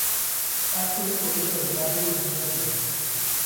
সাতকড়ি কহিল, জামিন হবে কে?